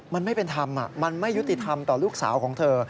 มันไม่เป็นธรรมมันไม่ยุติธรรมต่อลูกสาวของเธอ